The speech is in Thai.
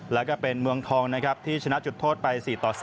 แล้วก็เป็นเมืองทองนะครับที่ชนะจุดโทษไป๔ต่อ๓